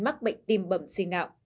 mắc bệnh tim bậm sinh ngạo